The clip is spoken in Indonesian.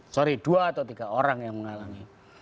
sorry dua atau tiga orang yang mengalami